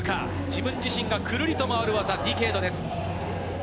自分自身がぐるりと回る技、ディケイドです。